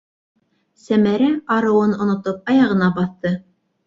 - Сәмәрә, арыуын онотоп, аяғына баҫты.